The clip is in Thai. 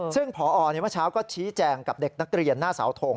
ซึ่งพอเมื่อเช้าก็ชี้แจงกับเด็กนักเรียนหน้าเสาทง